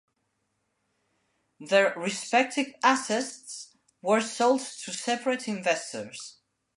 Their respective assets were sold to separate investors.